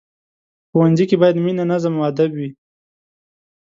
ښوونځی کې باید مینه، نظم او ادب وي